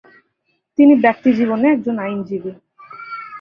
তিনি ব্যক্তিজীবনে একজন আইনজীবী।